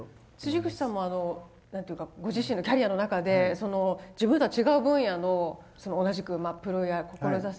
口さんもあの何というかご自身のキャリアの中で自分とは違う分野の同じく志す